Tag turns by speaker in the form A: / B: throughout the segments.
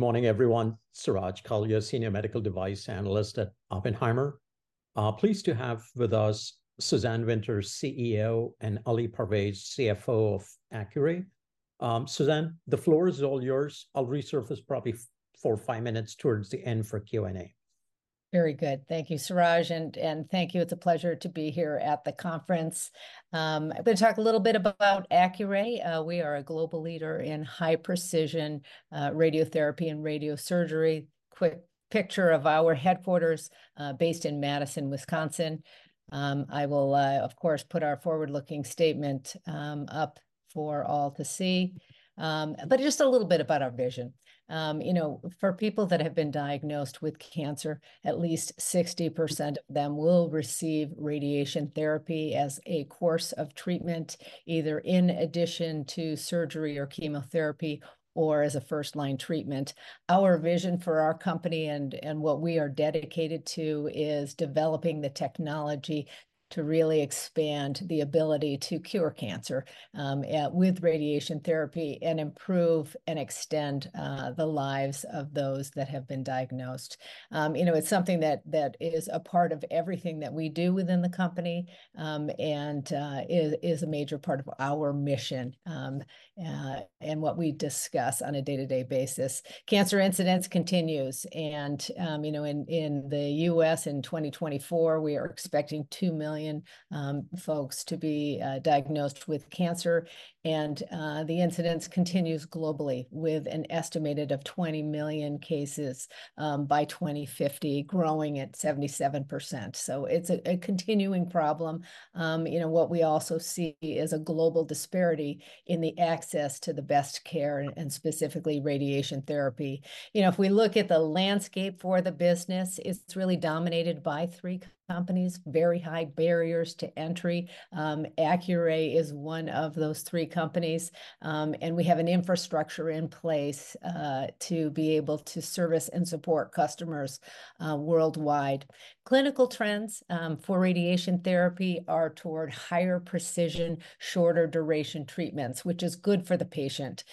A: Good morning, everyone. Suraj Kalia, Senior Medical Device Analyst at Oppenheimer. Pleased to have with us Suzanne Winter, CEO, and Ali Pervaiz, CFO of Accuray. Suzanne, the floor is all yours. I'll resurface probably four, five minutes towards the end for Q&A.
B: Very good. Thank you, Suraj, and thank you. It's a pleasure to be here at the conference. I'm gonna talk a little bit about Accuray. We are a global leader in high-precision radiotherapy and radiosurgery. Quick picture of our headquarters based in Madison, Wisconsin. I will, of course, put our forward-looking statement up for all to see. But just a little bit about our vision. You know, for people that have been diagnosed with cancer, at least 60% of them will receive radiation therapy as a course of treatment, either in addition to surgery or chemotherapy, or as a first-line treatment. Our vision for our company and what we are dedicated to is developing the technology to really expand the ability to cure cancer with radiation therapy, and improve and extend the lives of those that have been diagnosed. You know, it's something that is a part of everything that we do within the company, and is a major part of our mission, and what we discuss on a day-to-day basis. Cancer incidence continues, and you know, in the U.S. in 2024, we are expecting 2 million folks to be diagnosed with cancer. And the incidence continues globally, with an estimated 20 million cases by 2050, growing at 77%, so it's a continuing problem. You know, what we also see is a global disparity in the access to the best care, and specifically, radiation therapy. You know, if we look at the landscape for the business, it's really dominated by three companies, very high barriers to entry. Accuray is one of those three companies, and we have an infrastructure in place to be able to service and support customers worldwide. Clinical trends for radiation therapy are toward higher-precision, shorter-duration treatments, which is good for the patient.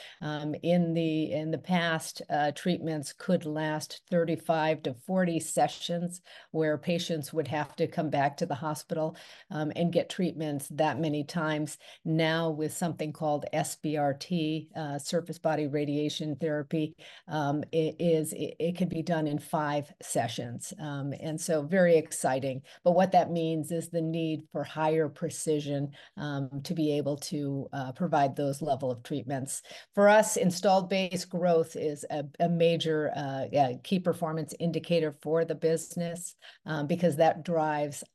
B: In the past, treatments could last 35-40 sessions, where patients would have to come back to the hospital and get treatments that many times. Now, with something called SBRT, stereotactic body radiation therapy, it can be done in five sessions, and so very exciting. But what that means is the need for higher precision, to be able to provide those level of treatments. For us, installed base growth is a major key performance indicator for the business, because that drives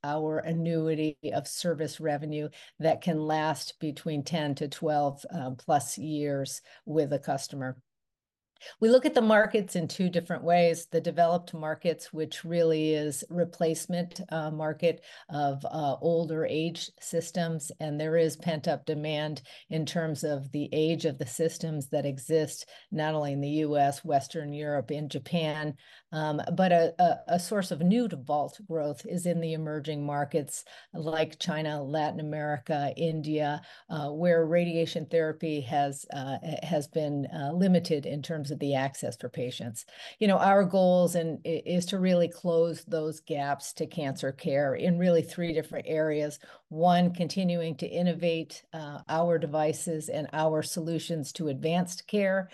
B: our annuity of service revenue that can last between 10-12, plus years with a customer. We look at the markets in two different ways: the developed markets, which really is replacement market of older-age systems, and there is pent-up demand in terms of the age of the systems that exist, not only in the U.S., Western Europe, and Japan. But a source of new to vault growth is in the emerging markets, like China, Latin America, India, where radiation therapy has been limited in terms of the access for patients. You know, our goals is to really close those gaps to cancer care in really three different areas. One, continuing to innovate, our devices and our solutions to advanced care,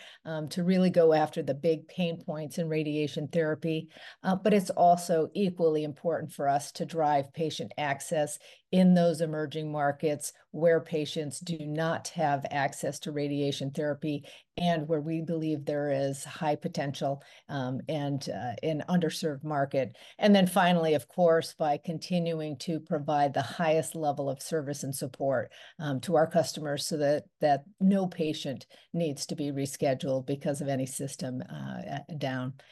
B: to really go after the big pain points in radiation therapy. But it's also equally important for us to drive patient access in those emerging markets where patients do not have access to radiation therapy, and where we believe there is high potential, an underserved market. And then finally, of course, by continuing to provide the highest level of service and support, to our customers so that no patient needs to be rescheduled because of any system down. You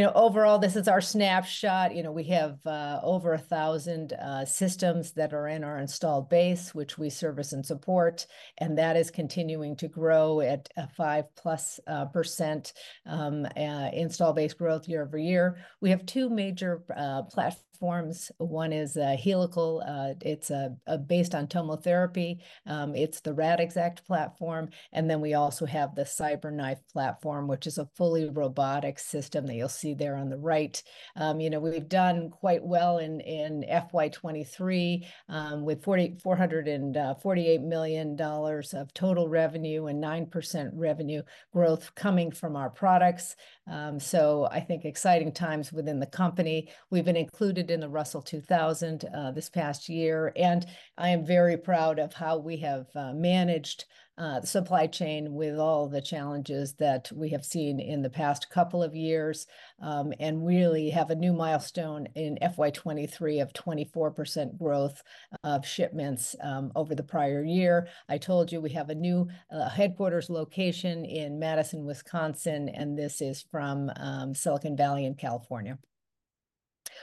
B: know, overall, this is our snapshot. You know, we have over 1,000 systems that are in our installed base, which we service and support, and that is continuing to grow at 5%+ install base growth year-over-year. We have two major platforms. One is helical. It's based on TomoTherapy. It's the Radixact platform. And then we also have the CyberKnife platform, which is a fully robotic system that you'll see there on the right. You know, we've done quite well in FY 2023 with $448 million of total revenue and 9% revenue growth coming from our products. So I think exciting times within the company. We've been included in the Russell 2000 this past year, and I am very proud of how we have managed the supply chain with all the challenges that we have seen in the past couple of years. And really have a new milestone in FY 2023 of 24% growth of shipments over the prior year. I told you, we have a new headquarters location in Madison, Wisconsin, and this is from Silicon Valley in California....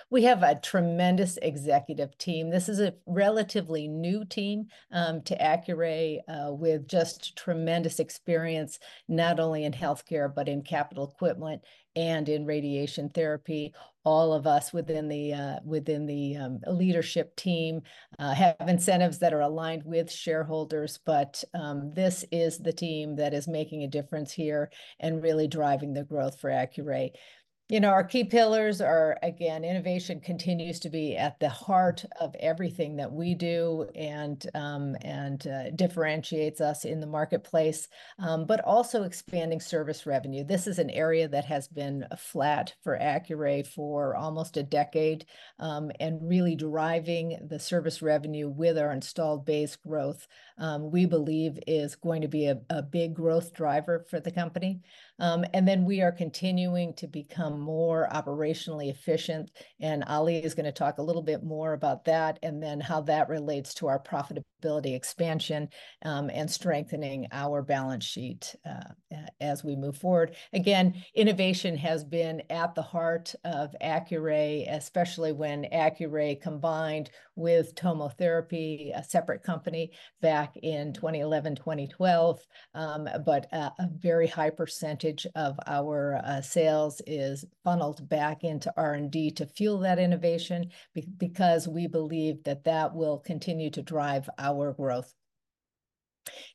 B: We have a tremendous executive team. This is a relatively new team to Accuray with just tremendous experience, not only in healthcare, but in capital equipment and in radiation therapy. All of us within the leadership team have incentives that are aligned with shareholders, but this is the team that is making a difference here and really driving the growth for Accuray. You know, our key pillars are, again, innovation continues to be at the heart of everything that we do, and differentiates us in the marketplace. But also expanding service revenue. This is an area that has been flat for Accuray for almost a decade. And really deriving the service revenue with our installed base growth, we believe is going to be a big growth driver for the company. And then we are continuing to become more operationally efficient, and Ali is gonna talk a little bit more about that, and then how that relates to our profitability expansion, and strengthening our balance sheet, as we move forward. Again, innovation has been at the heart of Accuray, especially when Accuray combined with TomoTherapy, a separate company, back in 2011, 2012. But a very high percentage of our sales is funneled back into R&D to fuel that innovation because we believe that that will continue to drive our growth.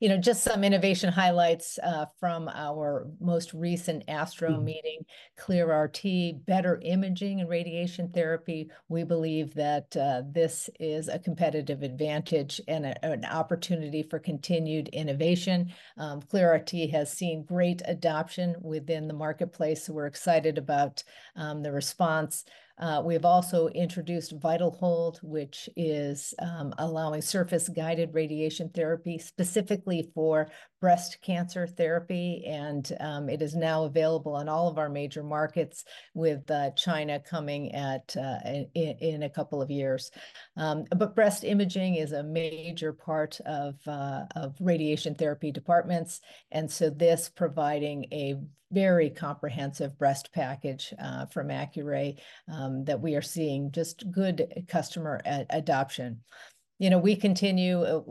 B: You know, just some innovation highlights from our most recent ASTRO meeting: ClearRT, better imaging in radiation therapy. We believe that this is a competitive advantage and a an opportunity for continued innovation. ClearRT has seen great adoption within the marketplace, so we're excited about the response. We've also introduced VitalHold, which is allowing surface-guided radiation therapy, specifically for breast cancer therapy, and it is now available in all of our major markets, with China coming in a couple of years. But breast imaging is a major part of radiation therapy departments, and so this providing a very comprehensive breast package from Accuray that we are seeing just good customer adoption. You know, we continue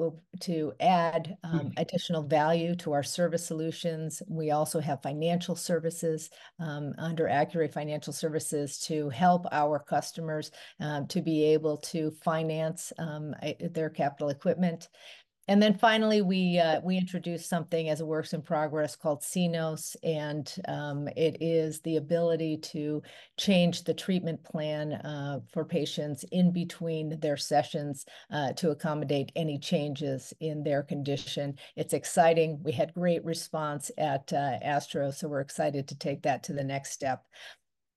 B: to add additional value to our service solutions. We also have financial services under Accuray Financial Services, to help our customers to be able to finance their capital equipment. And then finally, we introduced something as a works in progress called Cion, and it is the ability to change the treatment plan for patients in between their sessions to accommodate any changes in their condition. It's exciting. We had great response at ASTRO, so we're excited to take that to the next step.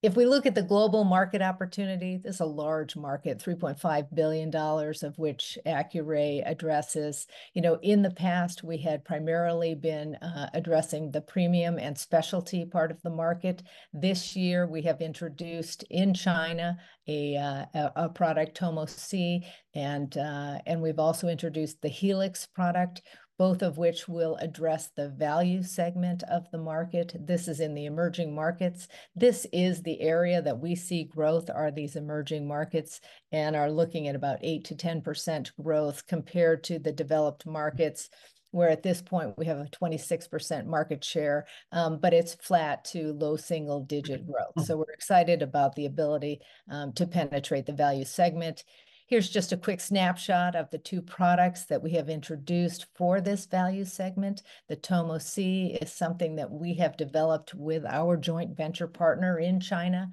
B: If we look at the global market opportunity, there's a large market, $3.5 billion, of which Accuray addresses... You know, in the past, we had primarily been addressing the premium and specialty part of the market. This year, we have introduced in China a product, Tomo C, and we've also introduced the Helix product, both of which will address the value segment of the market. This is in the emerging markets. This is the area that we see growth, are these emerging markets, and are looking at about 8%-10% growth compared to the developed markets, where at this point, we have a 26% market share. But it's flat to low single-digit growth. So we're excited about the ability to penetrate the value segment. Here's just a quick snapshot of the two products that we have introduced for this value segment. The Tomo C is something that we have developed with our joint venture partner in China.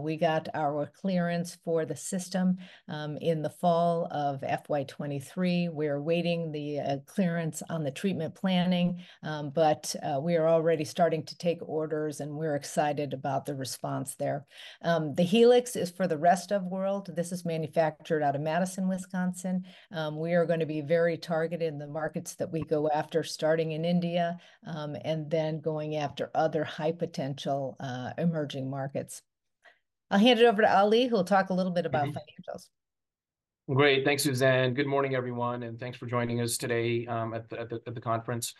B: We got our clearance for the system in the fall of FY 2023. We're awaiting the clearance on the treatment planning, but we are already starting to take orders, and we're excited about the response there. The Helix is for the rest of world. This is manufactured out of Madison, Wisconsin. We are gonna be very targeted in the markets that we go after, starting in India, and then going after other high-potential, emerging markets. I'll hand it over to Ali, who'll talk a little bit about financials.
C: Great. Thanks, Suzanne. Good morning, everyone, and thanks for joining us today at the conference.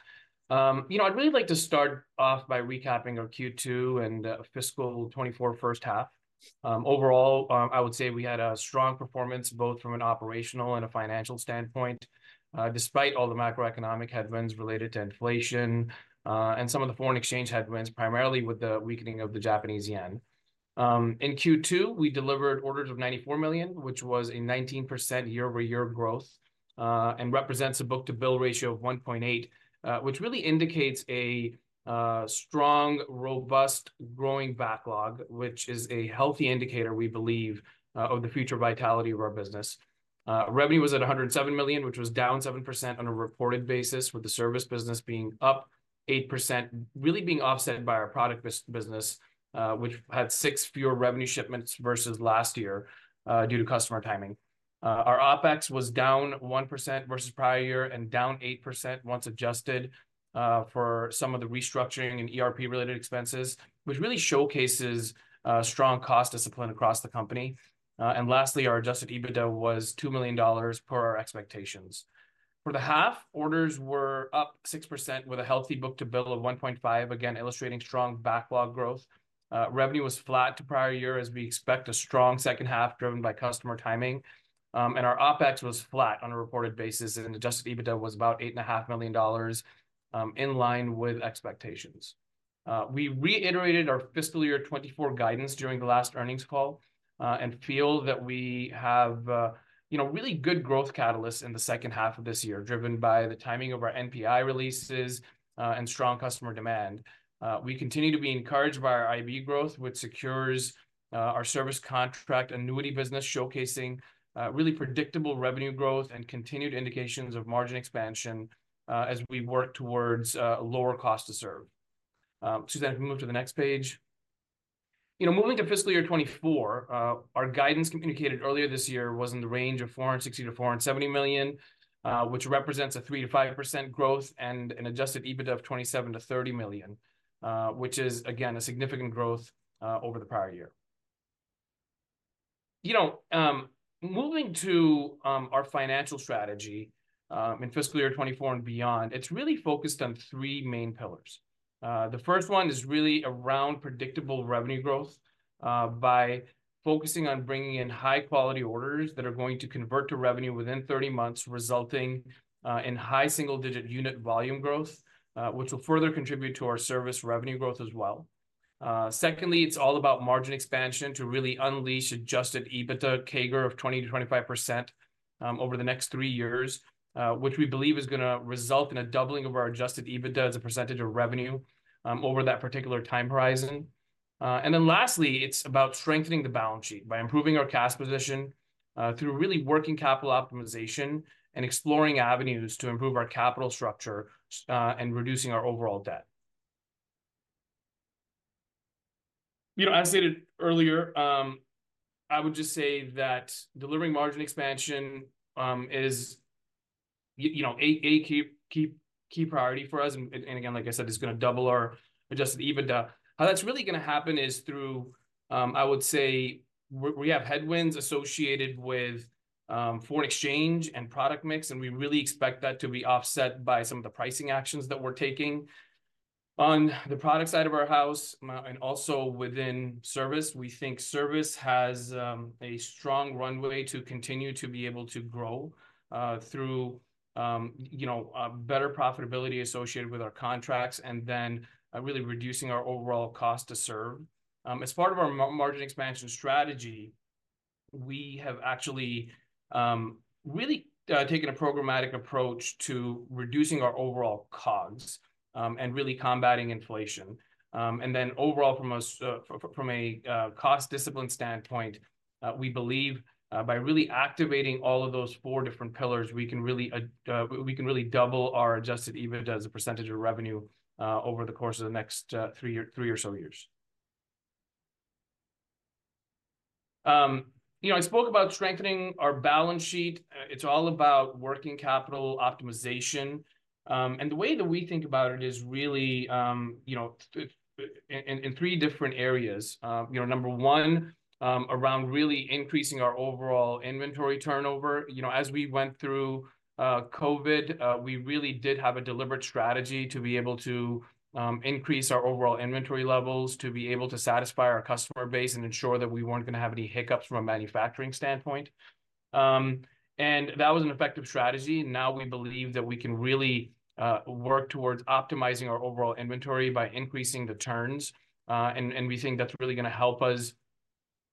C: You know, I'd really like to start off by recapping our Q2 and fiscal 2024 first half. Overall, I would say we had a strong performance, both from an operational and a financial standpoint, despite all the macroeconomic headwinds related to inflation and some of the foreign exchange headwinds, primarily with the weakening of the Japanese yen. In Q2, we delivered orders of $94 million, which was a 19% year-over-year growth, and represents a book-to-bill ratio of 1.8, which really indicates a strong, robust, growing backlog, which is a healthy indicator, we believe, of the future vitality of our business. Revenue was at $107 million, which was down 7% on a reported basis, with the service business being up 8%, really being offset by our product business, which had six fewer revenue shipments versus last year, due to customer timing. Our OpEx was down 1% versus prior year, and down 8% once adjusted for some of the restructuring and ERP-related expenses, which really showcases strong cost discipline across the company. And lastly, our adjusted EBITDA was $2 million per our expectations. For the half, orders were up 6%, with a healthy book-to-bill of 1.5, again illustrating strong backlog growth. Revenue was flat to prior year, as we expect a strong second half, driven by customer timing. Our OpEx was flat on a reported basis, and adjusted EBITDA was about $8.5 million, in line with expectations. We reiterated our fiscal year 2024 guidance during the last earnings call, and feel that we have, you know, really good growth catalysts in the second half of this year, driven by the timing of our NPI releases, and strong customer demand. We continue to be encouraged by our IB growth, which secures our service contract annuity business, showcasing really predictable revenue growth and continued indications of margin expansion, as we work towards lower cost to serve. Suzanne, if we move to the next page. You know, moving to fiscal year 2024, our guidance communicated earlier this year was in the range of $460 million-$470 million, which represents a 3%-5% growth, and an Adjusted EBITDA of $27 million-$30 million, which is again, a significant growth over the prior year. You know, moving to our financial strategy in fiscal year 2024 and beyond, it's really focused on three main pillars. The first one is really around predictable revenue growth by focusing on bringing in high-quality orders that are going to convert to revenue within 30 months, resulting in high single-digit unit volume growth, which will further contribute to our service revenue growth as well. Secondly, it's all about margin expansion to really unleash Adjusted EBITDA CAGR of 20%-25%, over the next three years, which we believe is gonna result in a doubling of our Adjusted EBITDA as a percentage of revenue, over that particular time horizon. And then lastly, it's about strengthening the balance sheet by improving our cash position, through really working capital optimization and exploring avenues to improve our capital structure, and reducing our overall debt. You know, as stated earlier, I would just say that delivering margin expansion is you know, a key, key, key priority for us. And again, like I said, is gonna double our Adjusted EBITDA. How that's really gonna happen is through... I would say we have headwinds associated with foreign exchange and product mix, and we really expect that to be offset by some of the pricing actions that we're taking. On the product side of our house, and also within service, we think service has a strong runway to continue to be able to grow through you know better profitability associated with our contracts, and then really reducing our overall cost to serve. As part of our margin expansion strategy, we have actually really taken a programmatic approach to reducing our overall COGS, and really combating inflation. And then overall from a cost discipline standpoint, we believe by really activating all of those four different pillars, we can really double our Adjusted EBITDA as a percentage of revenue over the course of the next three or so years. You know, I spoke about strengthening our balance sheet. It's all about working capital optimization, and the way that we think about it is really you know in three different areas. You know, number one, around really increasing our overall inventory turnover. You know, as we went through COVID, we really did have a deliberate strategy to be able to increase our overall inventory levels, to be able to satisfy our customer base, and ensure that we weren't gonna have any hiccups from a manufacturing standpoint. And that was an effective strategy. Now we believe that we can really work towards optimizing our overall inventory by increasing the turns, and we think that's really gonna help us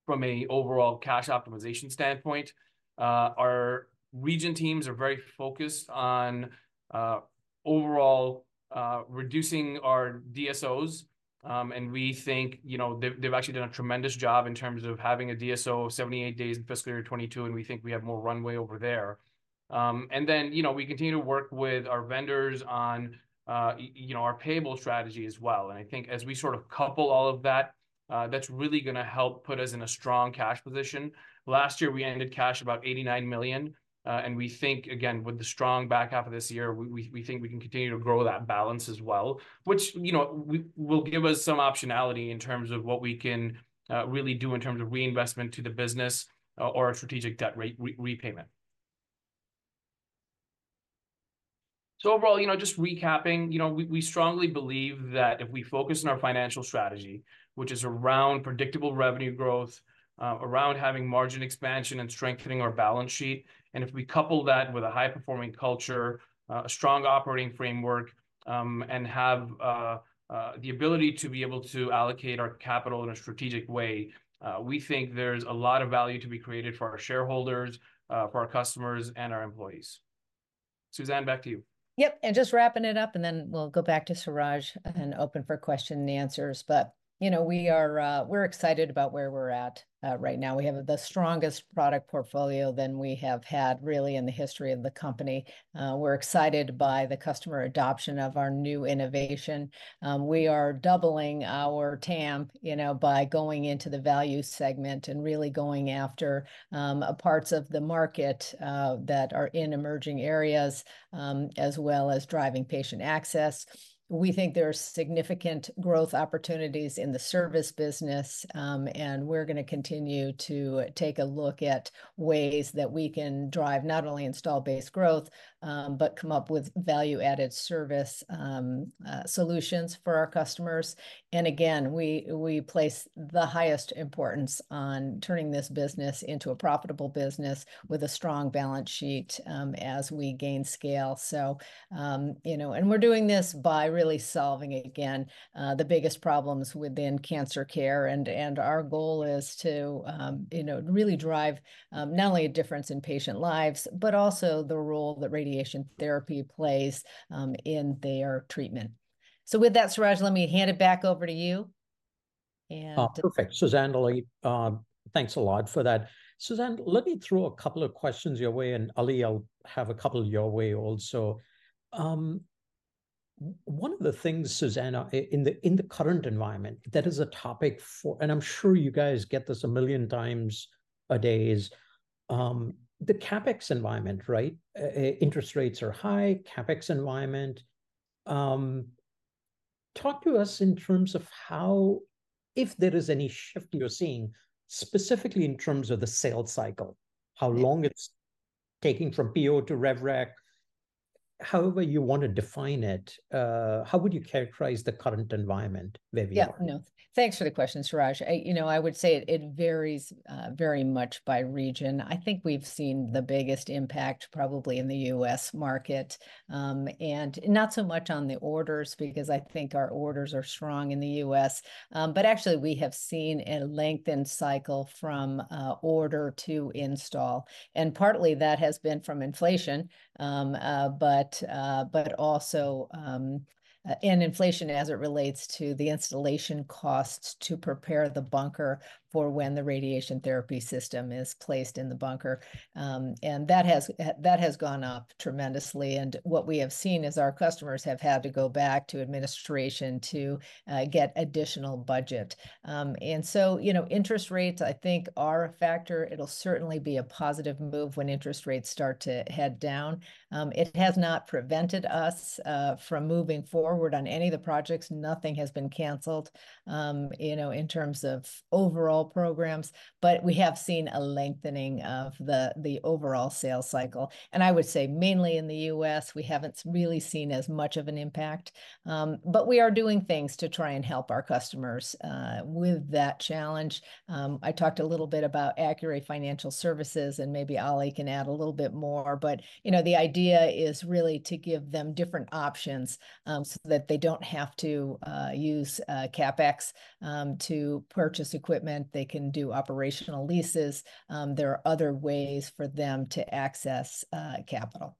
C: from an overall cash optimization standpoint. Our region teams are very focused on overall reducing our DSOs, and we think, you know, they've actually done a tremendous job in terms of having a DSO of 78 days in fiscal year 2022, and we think we have more runway over there. And then, you know, we continue to work with our vendors on, you know, our payable strategy as well, and I think as we sort of couple all of that, that's really gonna help put us in a strong cash position. Last year, we ended cash about $89 million, and we think, again, with the strong back half of this year, we think we can continue to grow that balance as well, which, you know, will give us some optionality in terms of what we can, really do in terms of reinvestment to the business, or, or a strategic debt repayment. So overall, you know, just recapping, you know, we strongly believe that if we focus on our financial strategy, which is around predictable revenue growth, around having margin expansion and strengthening our balance sheet, and if we couple that with a high-performing culture, a strong operating framework, and have the ability to be able to allocate our capital in a strategic way, we think there's a lot of value to be created for our shareholders, for our customers, and our employees. Suzanne, back to you.
B: Yep, and just wrapping it up, and then we'll go back to Suraj and open for question and answers. But, you know, we are, we're excited about where we're at, right now. We have the strongest product portfolio than we have had really in the history of the company. We're excited by the customer adoption of our new innovation. We are doubling our TAM, you know, by going into the value segment and really going after, parts of the market, that are in emerging areas, as well as driving patient access. We think there are significant growth opportunities in the service business, and we're going to continue to take a look at ways that we can drive not only installed base growth, but come up with value-added service, solutions for our customers. And again, we place the highest importance on turning this business into a profitable business with a strong balance sheet as we gain scale. So, you know, and we're doing this by really solving again the biggest problems within cancer care, and our goal is to you know really drive not only a difference in patient lives, but also the role that radiation therapy plays in their treatment. So with that, Suraj, let me hand it back over to you, and-
A: Oh, perfect. Suzanne, Ali, thanks a lot for that. Suzanne, let me throw a couple of questions your way, and Ali, I'll have a couple your way also. One of the things, Suzanne, in the current environment that is a topic for... And I'm sure you guys get this a million times a day, is the CapEx environment, right? Interest rates are high, CapEx environment. Talk to us in terms of how, if there is any shift you're seeing, specifically in terms of the sales cycle, how long it's taking from PO to rev rec. However you want to define it, how would you characterize the current environment where we are?
B: Yeah, no. Thanks for the question, Suraj. You know, I would say it varies very much by region. I think we've seen the biggest impact probably in the U.S. market, and not so much on the orders, because I think our orders are strong in the U.S. But actually, we have seen a lengthened cycle from order to install, and partly that has been from inflation. And inflation as it relates to the installation costs to prepare the bunker for when the radiation therapy system is placed in the bunker. And that has gone up tremendously, and what we have seen is our customers have had to go back to administration to get additional budget. And so, you know, interest rates, I think, are a factor. It'll certainly be a positive move when interest rates start to head down. It has not prevented us from moving forward on any of the projects. Nothing has been canceled, you know, in terms of overall programs, but we have seen a lengthening of the overall sales cycle. I would say mainly in the U.S., we haven't really seen as much of an impact. But we are doing things to try and help our customers with that challenge. I talked a little bit about Accuray Financial Services, and maybe Ali can add a little bit more, but, you know, the idea is really to give them different options, so that they don't have to use CapEx to purchase equipment. They can do operational leases. There are other ways for them to access capital.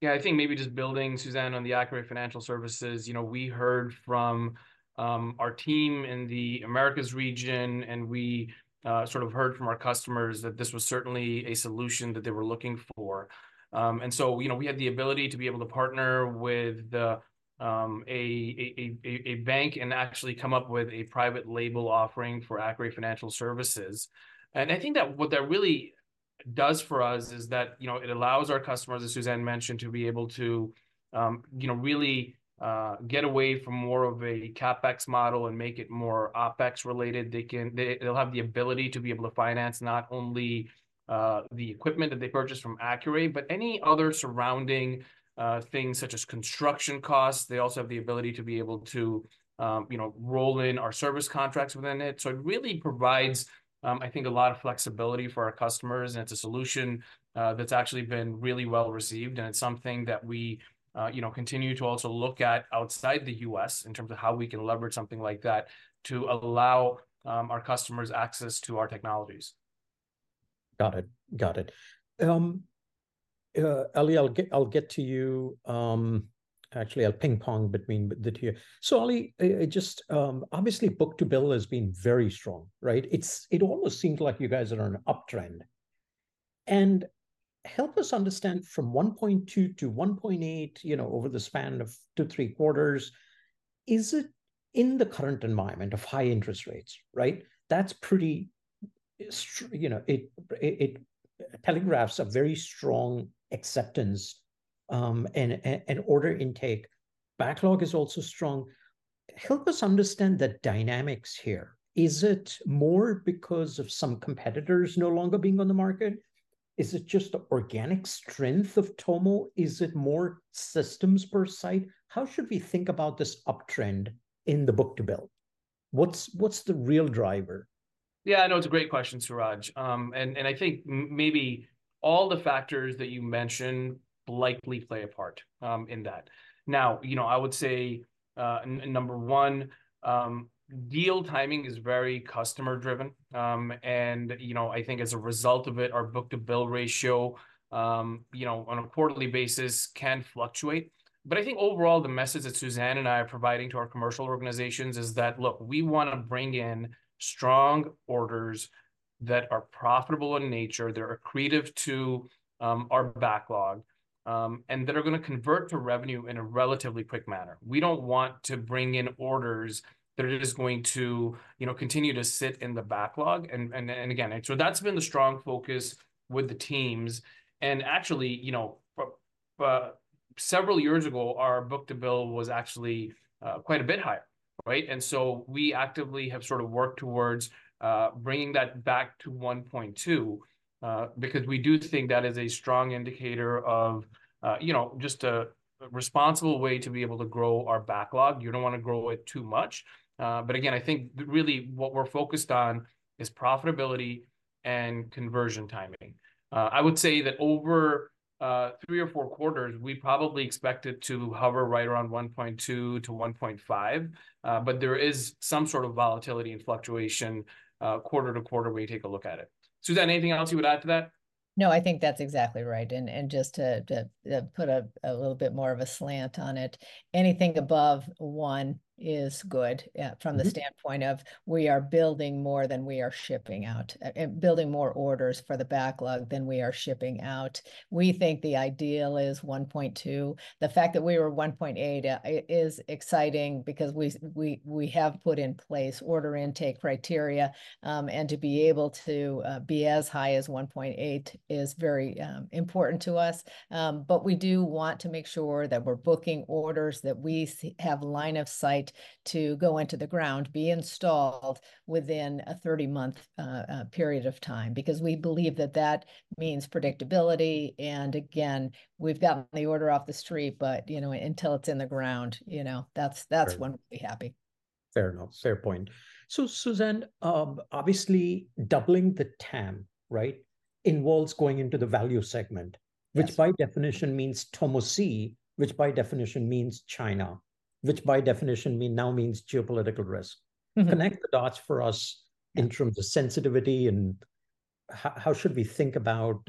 C: Yeah, I think maybe just building, Suzanne, on the Accuray Financial Services, you know, we heard from our team in the Americas region, and we sort of heard from our customers that this was certainly a solution that they were looking for. And so, you know, we had the ability to be able to partner with a bank and actually come up with a private label offering for Accuray Financial Services. And I think that what that really does for us is that, you know, it allows our customers, as Suzanne mentioned, to be able to you know, really get away from more of a CapEx model and make it more OpEx related. They'll have the ability to be able to finance not only the equipment that they purchase from Accuray, but any other surrounding things, such as construction costs. They also have the ability to be able to, you know, roll in our service contracts within it. So it really provides, I think, a lot of flexibility for our customers, and it's a solution that's actually been really well-received, and it's something that we, you know, continue to also look at outside the U.S. in terms of how we can leverage something like that to allow our customers access to our technologies.
A: Got it. Got it. Ali, I'll get to you, actually, I'll ping-pong between the two of you. So, Ali, just, obviously, book-to-bill has been very strong, right? It almost seems like you guys are on an uptrend. Help us understand from 1.2 to 1.8, you know, over the span of 2-3 quarters, is it in the current environment of high interest rates, right? That's pretty strong, you know, it telegraphs a very strong acceptance, and order intake. Backlog is also strong. Help us understand the dynamics here. Is it more because of some competitors no longer being on the market? Is it just the organic strength of Tomo? Is it more systems per site? How should we think about this uptrend in the book-to-bill? What's the real driver?...
C: Yeah, no, it's a great question, Suraj. I think maybe all the factors that you mentioned likely play a part, in that. Now, you know, I would say, number one, deal timing is very customer-driven. I think as a result of it, our book-to-bill ratio, you know, on a quarterly basis can fluctuate. But I think overall, the message that Suzanne and I are providing to our commercial organizations is that, look, we wanna bring in strong orders that are profitable in nature, they're accretive to, our backlog, and that are gonna convert to revenue in a relatively quick manner. We don't want to bring in orders that are just going to, you know, continue to sit in the backlog. Again, so that's been the strong focus with the teams. And actually, you know, several years ago, our book-to-bill was actually quite a bit higher, right? And so we actively have sort of worked towards bringing that back to 1.2 because we do think that is a strong indicator of, you know, just a responsible way to be able to grow our backlog. You don't wanna grow it too much, but again, I think really what we're focused on is profitability and conversion timing. I would say that over three or four quarters, we probably expect it to hover right around 1.2-1.5, but there is some sort of volatility and fluctuation quarter to quarter when you take a look at it. Suzanne, anything else you would add to that?
B: No, I think that's exactly right. And just to put a little bit more of a slant on it, anything above one is good.
C: Mm-hmm...
B: from the standpoint of we are building more than we are shipping out, building more orders for the backlog than we are shipping out. We think the ideal is 1.2. The fact that we were 1.8 is exciting because we have put in place order intake criteria, and to be able to be as high as 1.8 is very important to us. But we do want to make sure that we're booking orders, that we have line of sight to go into the ground, be installed within a 30-month period of time, because we believe that that means predictability, and again, we've gotten the order off the street, but, you know, until it's in the ground, you know, that's when we'll be happy.
A: Fair enough, fair point. So, Suzanne, obviously, doubling the TAM, right, involves going into the value segment-
B: Yes...
A: which by definition means Tomo C, which by definition means China, which by definition now means geopolitical risk.
B: Mm-hmm.
A: Connect the dots for us in terms of sensitivity and how should we think about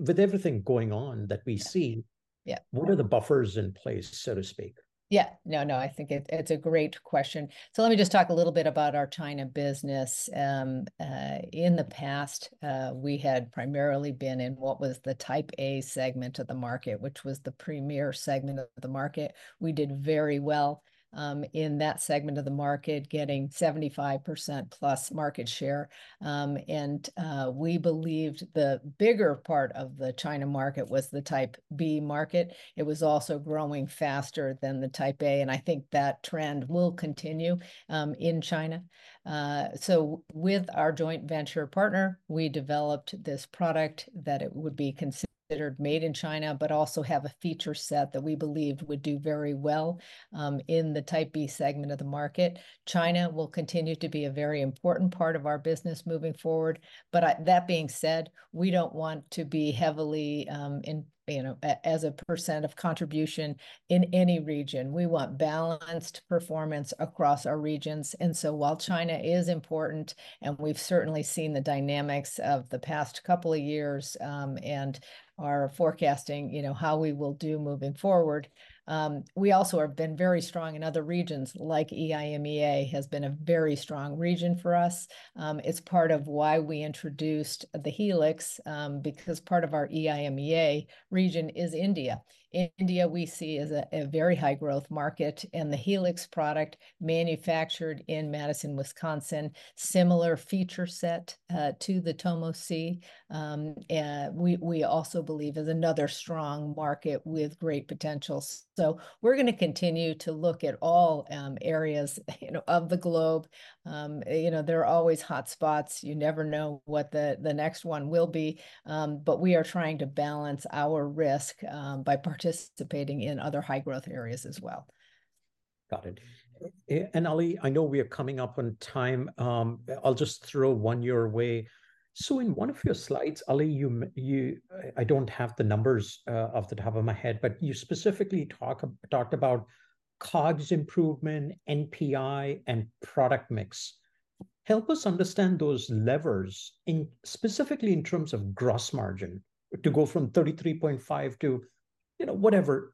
A: with everything going on that we see-
B: Yeah...
A: what are the buffers in place, so to speak?
B: Yeah. No, no, I think it's a great question. So let me just talk a little bit about our China business. In the past, we had primarily been in what was the Type A segment of the market, which was the premier segment of the market. We did very well in that segment of the market, getting 75%+ market share. And we believed the bigger part of the China market was the Type B market. It was also growing faster than the Type A, and I think that trend will continue in China. So with our joint venture partner, we developed this product that it would be considered made in China, but also have a feature set that we believed would do very well in the Type B segment of the market. China will continue to be a very important part of our business moving forward, but that being said, we don't want to be heavily in, you know, as a percent of contribution in any region. We want balanced performance across our regions, and so while China is important, and we've certainly seen the dynamics of the past couple of years, and are forecasting, you know, how we will do moving forward, we also have been very strong in other regions, like EIMEA has been a very strong region for us. It's part of why we introduced the Helix, because part of our EIMEA region is India. India we see as a very high growth market, and the Helix product, manufactured in Madison, Wisconsin, similar feature set to the TomoC, we also believe is another strong market with great potential. So we're gonna continue to look at all areas, you know, of the globe. You know, there are always hot spots, you never know what the next one will be, but we are trying to balance our risk by participating in other high-growth areas as well.
A: Got it. And Ali, I know we are coming up on time. I'll just throw one your way. So in one of your slides, Ali, I don't have the numbers off the top of my head, but you specifically talked about COGS improvement, NPI, and product mix. Help us understand those levers, specifically in terms of gross margin, to go from 33.5% to, you know, whatever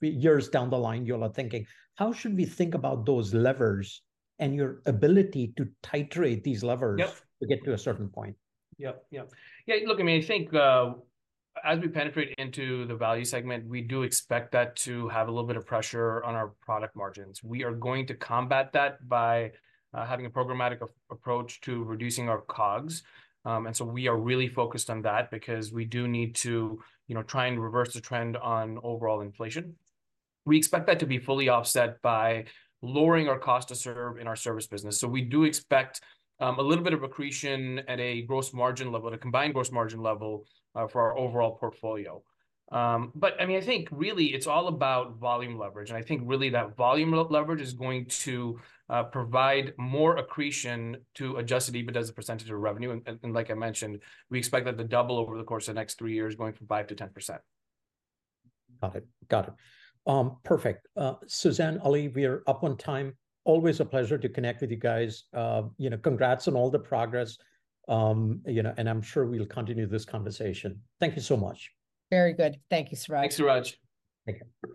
A: years down the line you all are thinking. How should we think about those levers, and your ability to titrate these levers-
C: Yep...
A: to get to a certain point?
C: Yep, yep. Yeah, look, I mean, I think, as we penetrate into the value segment, we do expect that to have a little bit of pressure on our product margins. We are going to combat that by, having a programmatic approach to reducing our COGS. And so we are really focused on that because we do need to, you know, try and reverse the trend on overall inflation. We expect that to be fully offset by lowering our cost to serve in our service business, so we do expect, a little bit of accretion at a gross margin level, at a combined gross margin level, for our overall portfolio. But I mean, I think really, it's all about volume leverage, and I think really that volume leverage is going to, provide more accretion to Adjusted EBITDA as a percentage of revenue. Like I mentioned, we expect that to double over the course of the next three years, going from 5%-10%.
A: Got it. Got it. Perfect. Suzanne, Ali, we are up on time. Always a pleasure to connect with you guys. You know, congrats on all the progress. You know, and I'm sure we'll continue this conversation. Thank you so much.
B: Very good. Thank you, Suraj.
C: Thanks, Suraj.
A: Take care.